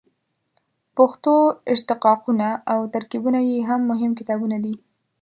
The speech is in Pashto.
پښتو اشتقاقونه او ترکیبونه یې هم مهم کتابونه دي.